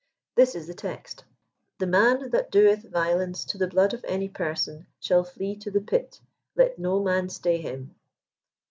This is the text :" The man that doeth violence to the hlood of any person shall fiee to the pit ; let no man stay him."